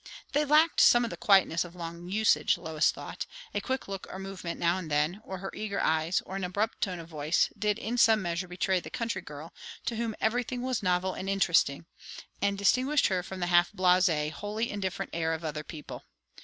They lacked some of the quietness of long usage, Lois thought; a quick look or movement now and then, or her eager eyes, or an abrupt tone of voice, did in some measure betray the country girl, to whom everything was novel and interesting; and distinguished her from the half blasé, wholly indifferent air of other people.